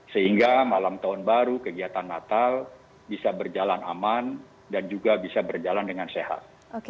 sehingga malam tahun baru kegiatan natal bisa berjalan aman dan juga bisa berjalan dengan sehat